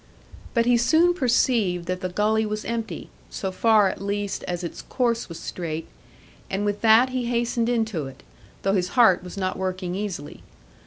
But he soon perceived that the gully was empty, so far at least as its course was straight; and with that he hastened into it, though his heart was not working easily.